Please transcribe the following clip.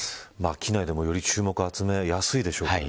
機内でも、より注目を集めやすいでしょうからね。